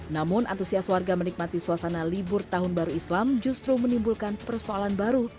namun antusias warga menikmati suasana libur tahun baru islam justru menimbulkan persoalan baru